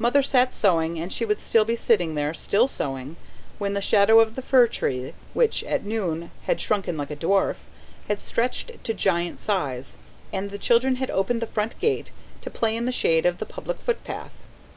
Mother sat sewing, and she would still be sitting there, still sewing, when the shadow of the fir tree, which at noon was shrunken like a dwarf, had stretched to giant size, and the children had opened the front gate to play in the shade of the public footpath.